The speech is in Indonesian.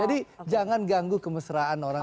jadi jangan ganggu kemesraan orang